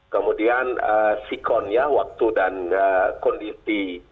kemudian sikon ya waktu dan kondisi